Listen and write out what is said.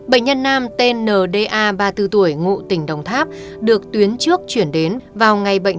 bệnh nhân nam tên nda ba mươi bốn tuổi ngụ tỉnh đồng tháp được tuyến trước chuyển đến vào ngày bệnh